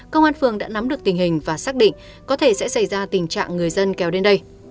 công an phường đã nắm được tình hình và xác định có thể sẽ xảy ra tình trạng người dân kéo đến đây